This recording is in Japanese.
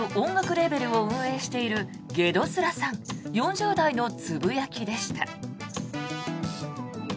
レーベルを運営しているげどすらさん４０代のつぶやきでした。